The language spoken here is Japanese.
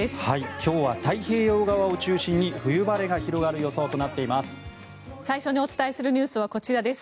今日は太平洋側を中心に冬晴れが広がる予想となっています。